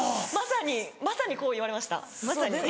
まさにまさにこう言われました。